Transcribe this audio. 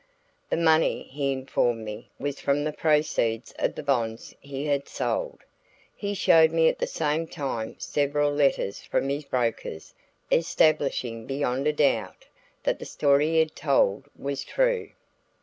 The money, he informed me, was from the proceeds of the bonds he had sold. He showed me at the same time several letters from his brokers establishing beyond a doubt that the story he had told was true.